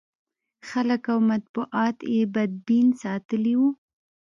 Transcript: خلک او مطبوعات یې بدبین ساتلي و.